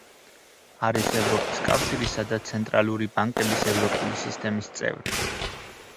არის ევროპის კავშირისა და ცენტრალური ბანკების ევროპული სისტემის წევრი.